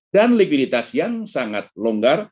dan likuiditas yang sangat longgar